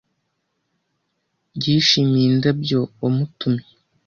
Yishimiye indabyo wamutumye.